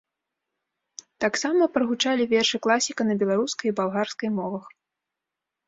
Таксама прагучалі вершы класіка на беларускай і балгарскай мовах.